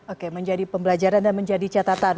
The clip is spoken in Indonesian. oke menjadi pembelajaran dan menjadi catatan